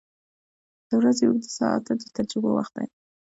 • د ورځې اوږده ساعته د تجربو وخت دی.